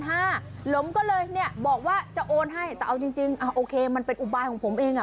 หลงก็เลยเนี่ยบอกว่าจะโอนให้แต่เอาจริงโอเคมันเป็นอุบายของผมเองอ่ะ